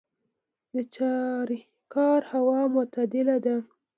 د چاریکار هوا معتدله ده